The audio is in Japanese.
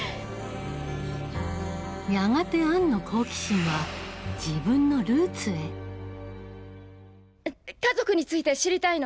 やがてアンの好奇心は自分のルーツへ家族について知りたいの。